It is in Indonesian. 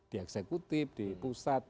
di eksekutif di pusat